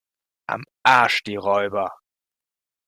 Am Arsch die Räuber!